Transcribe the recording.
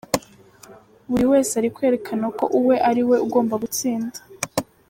Buri wese ari kwerekana ko uwe ari we ugomba gutsinda.